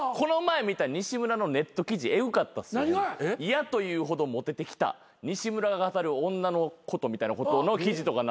「嫌というほどモテてきた西村が語る女のこと」みたいなことの記事とかなってて。